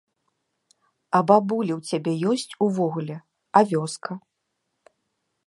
А бабулі ў цябе ёсць увогуле, а вёска?